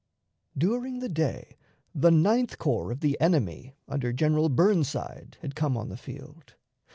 During the day the Ninth Corps of the enemy under General Burnside, had come on the field.